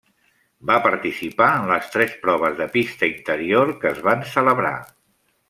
Va participar en les tres proves de pista interior que es van celebrar.